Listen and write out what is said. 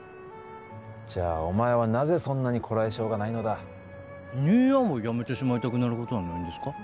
じゃあお前はなぜそんなにこらえ性がないのだ兄やんやめてしまいたくなることないんですか？